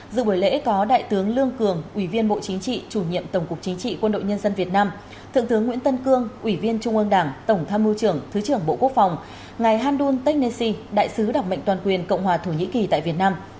dự buổi lễ có đại tướng lương cường ủy viên bộ chính trị chủ nhiệm tổng cục chính trị quân đội nhân dân việt nam thượng tướng nguyễn tân cương ủy viên trung ương đảng tổng tham mưu trưởng thứ trưởng bộ quốc phòng ngài handul technessi đại sứ đặc mệnh toàn quyền cộng hòa thổ nhĩ kỳ tại việt nam